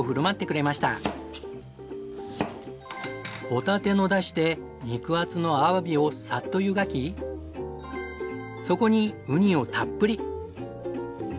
ホタテのだしで肉厚のアワビをさっと湯がきそこにウニをたっぷり。